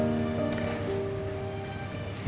saya akan bantuin cari rumah sakit lain yang sedia di donor mata